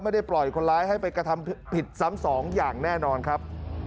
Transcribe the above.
ไม่ได้ปล่อยคนร้ายให้ไปกระทำผิดซ้ำสองอย่างแน่นอนครับ